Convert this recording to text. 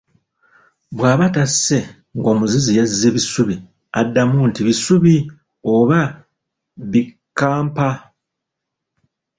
Bw'aba tasse ng'omuzizi yazize bisubi addamu nti bisubi oba bikampa.